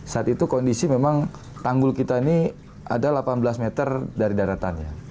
saat itu kondisi memang tanggul kita ini ada delapan belas meter dari daratannya